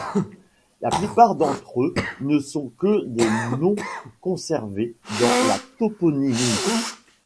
La plupart d’entre eux ne sont que des noms conservés dans la toponymie.